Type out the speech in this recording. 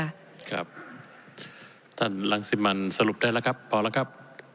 ครับท่านรังสิมันสรุปได้แล้วครับพอแล้วครับ